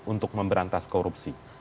untuk memberantas korupsi